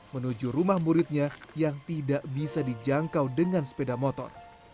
menuju rumah muridnya yang tidak bisa dijangkau dengan sepeda motor